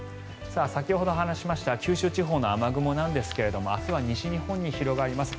先ほど話しました九州地方の雨雲なんですが明日は西日本に広がります。